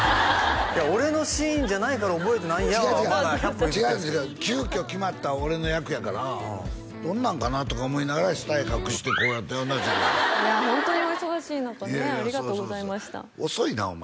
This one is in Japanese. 「俺のシーンじゃないから覚えてないんや」はまだ違う違う急きょ決まった俺の役やからどんなんかなとか思いながら下へ隠してこうやっていやホントにお忙しい中ねありがとうございました遅いなお前